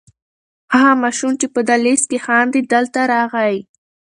هغه ماشوم چې په دهلېز کې خاندي دلته راغی.